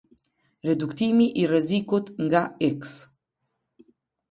Reduktimi i rrezikut nga x.